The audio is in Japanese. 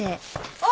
あっ。